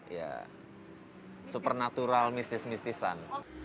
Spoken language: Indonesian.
ya supernatural mistis mistisan